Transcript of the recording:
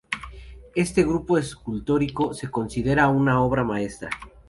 Este grupo escultórico se considera su obra maestra.